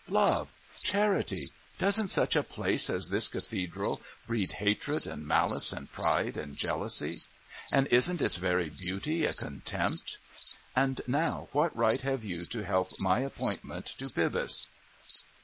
Love! Charity! Doesn't such a place as this Cathedral breed hatred and malice and pride and jealousy? And isn't its very beauty a contempt?...And now what right have you to help my appointment to Pybus?"